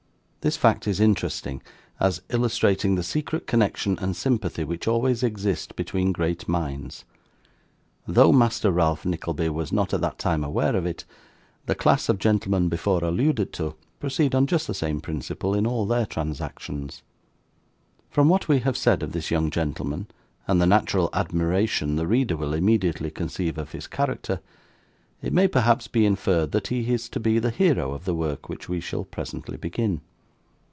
This fact is interesting, as illustrating the secret connection and sympathy which always exist between great minds. Though Master Ralph Nickleby was not at that time aware of it, the class of gentlemen before alluded to, proceed on just the same principle in all their transactions. From what we have said of this young gentleman, and the natural admiration the reader will immediately conceive of his character, it may perhaps be inferred that he is to be the hero of the work which we shall presently begin.